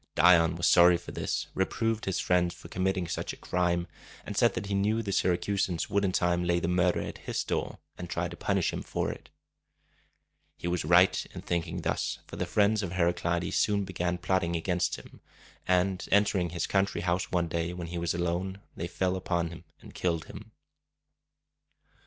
Dion was sorry for this, reproved his friends for committing such a crime, and said that he knew the Syracusans would in time lay the murder at his door, and try to punish him for it. He was right in thinking thus, for the friends of Heraclides soon began plotting against him; and, entering his country house one day when he was alone, they fell upon him and killed him.